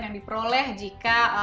yang diperoleh jika